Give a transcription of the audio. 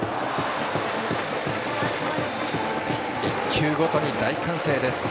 １球ごとに大歓声です。